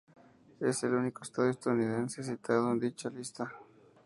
Es el único estadio estadounidense citado en dicha lista.